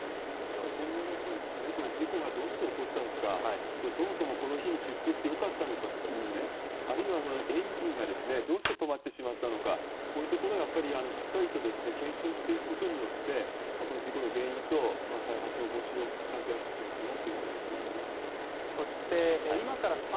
一方で、今後、事故がどうして起こったのかそもそもこの日に出航してよかったのかですとかあるいはエンジンがどうして止まってしまったのかこういうところをしっかりと検証していくことによって事故の原因と再発防止をやってほしいと思いますね。